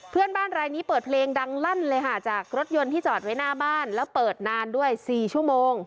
เพื่อนบ้านรายนี้เปิดเพลงดังลั่นเลยค่ะจากรถยนต์ที่จอดไว้หน้าบ้านแล้วเปิดนานด้วย๔ชั่วโมง